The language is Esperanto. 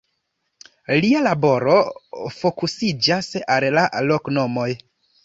Lia laboro fokusiĝas al la loknomoj.